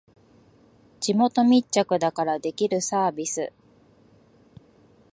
地元密着だからできるサービス